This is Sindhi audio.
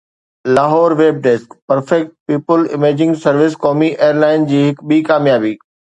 Lahore (web desk) perfect people amazing service قومي ايئر لائن جي هڪ ٻي ڪاميابي